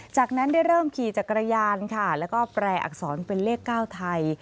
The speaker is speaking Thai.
จากนั้นได้เริ่มขี่จักรยานค่ะแล้วก็แปลอักษรเป็นเลข๙ไทย